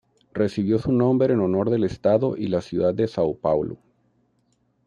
Recibió su nombre en honor del estado y la ciudad de São Paulo.